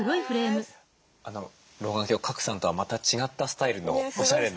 あの老眼鏡賀来さんとはまた違ったスタイルのおしゃれな。